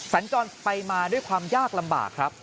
สัญจรไปมาด้วยความยากลำบากครับ